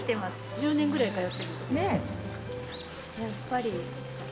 １０年ぐらい通ってる。